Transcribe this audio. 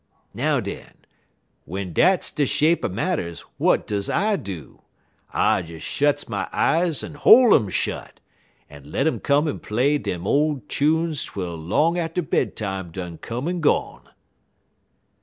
Now, den, w'en dat's de shape er marters, w'at duz I do? I des shets my eyes en hol' um shot, en let um come en play dem ole time chunes twel long atter bed time done come en gone."